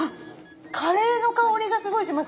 カレーの香りがすごいしますね。